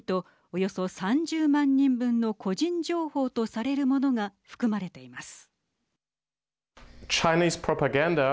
およそ３０万人分の個人情報とされるものが含まれています。